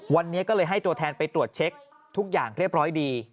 วันนี้ก็เลยให้ตัวแทนไปตรวจเช็คทุกอย่างเรียบร้อยดี